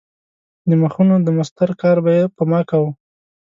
د مخونو د مسطر کار به یې په ما کاوه.